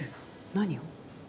何を？